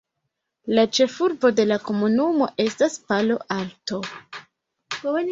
La ĉefurbo de la komunumo estas Palo Alto.